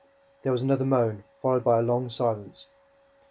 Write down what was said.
There was another moan, followed by a long silence.